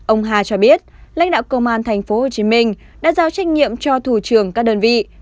ông hà cho biết lãnh đạo công an tp hcm đã giao trách nhiệm cho thủ trưởng các đơn vị